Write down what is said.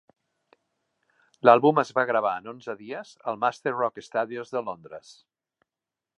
L'àlbum es va gravar en onze dies als Master Rock Studios de Londres.